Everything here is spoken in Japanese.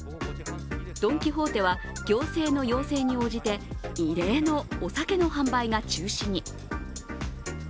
ドン・キホーテは行政の要請に応じて異例のお酒の販売が中止に。